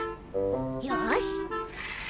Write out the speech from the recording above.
よし！